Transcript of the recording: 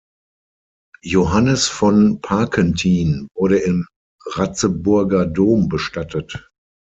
Johannes von Parkentin wurde im Ratzeburger Dom bestattet.